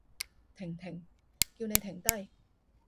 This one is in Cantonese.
停！停！叫你停低！